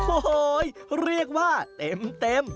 โอ้โหเรียกว่าเต็ม